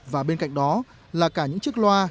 và bên cạnh đó là cả những chiếc loa